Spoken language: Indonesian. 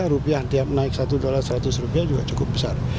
rupiah tiap naik satu dolar seratus rupiah juga cukup besar